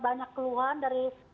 banyak keluhan dari